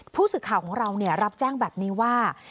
ผู้สื่อข่าวของเรารับแจ้งแบบนี้ว่า